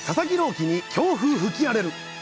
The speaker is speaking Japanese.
希に強風吹き荒れる！